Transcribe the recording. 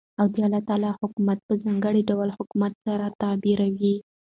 او دالله تعالى حكومت په ځانګړي ډول حكومت سره تعبيروي .